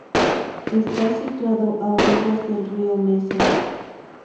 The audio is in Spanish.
Está situado a orillas del río Mesa.